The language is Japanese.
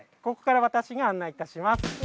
ここからわたしが案内いたします。